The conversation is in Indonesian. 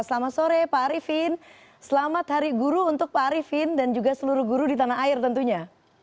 selamat sore pak arifin selamat hari guru untuk pak arifin dan juga seluruh guru di tanah air tentunya